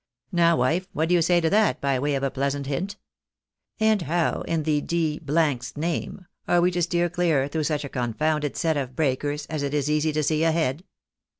Now, wife, what do you say to that, by way of a pleasant hint ? And how, in the d — I's name are we to steer clear throiigh such a confounded set of breakers as it is easy to see ahead